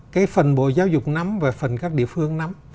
cái phần bộ giáo dục nắm và phần các địa phương nắm